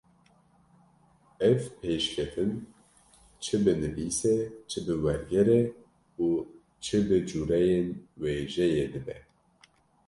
ev pêşketin çi bi nivîsê, çi bi wergerê û çi bi cûreyên wêjeyê dibe.